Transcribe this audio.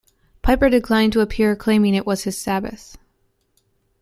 Piper declined to appear, claiming it was his Sabbath.